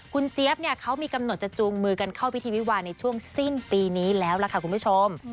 คุณเจี๊ยบเนี่ยเขามีกำหนดจะจูงมือกันเข้าพิธีวิวาในช่วงสิ้นปีนี้แล้วล่ะค่ะคุณผู้ชม